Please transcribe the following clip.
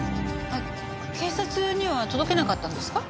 警察には届けなかったんですか？